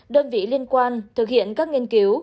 đơn vị liên quan thực hiện các nghiên cứu